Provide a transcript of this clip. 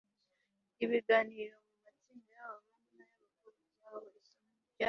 ibiganiro mu matsinda y abahungu n ay abakobwa ukwabo isomo rya